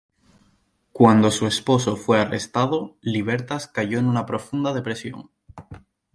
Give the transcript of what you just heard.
Cuando su esposo fue arrestado, Libertas cayó en una profunda depresión.